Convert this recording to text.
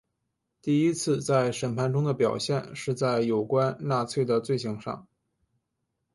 第一次在审判中的表现是在有关纳粹的罪行上。